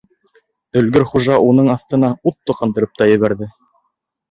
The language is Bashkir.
Өлгөр хужа уның аҫтына ут тоҡандырып та ебәрҙе.